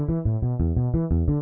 masukkan kembali ke tempat yang diperlukan